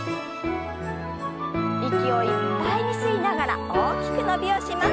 息をいっぱいに吸いながら大きく伸びをします。